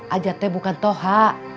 ajatnya bukan toha